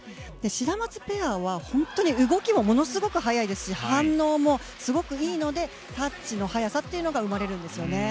シダマツペアは動きもものすごく速いですし反応もすごくいいのでタッチの早さというのが生まれるんです。